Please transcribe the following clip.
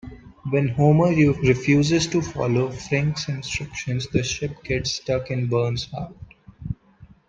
When Homer refuses to follow Frink's instructions, the ship gets stuck in Burns' heart.